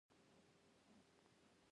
ما ترې وپوښتل مشخص لامل یې درته معلوم دی.